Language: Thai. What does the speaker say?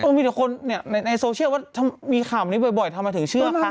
ต้องมีแต่คนในโซเชียลว่าถ้ามีข่าวแบบนี้บ่อยทำไมถึงเชื่อขนาดใด